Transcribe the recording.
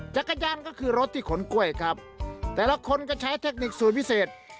จักรยานก็คือรถที่ขนกล้วยครับแต่ละคนก็ใช้เทคนิคสูตรพิเศษ